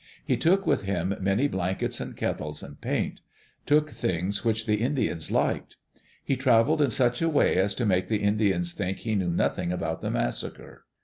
He took with him many blankets and kettles and paint; took things which the In dians liked. He traveled in such a way as to make the Indians think he knew nothing about the massacre.